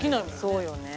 そうよね。